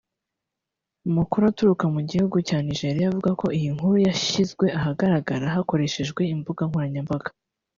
Amakuru aturuka mu gihugu cya Nigeria avuga ko iyi nkuru yashyizwe ahagaragara hakoreshajwe imbuga nkoranyambaga